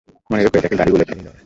মনে রেখো, এটাকে গাড়ি বলে, ফ্যানি নয়।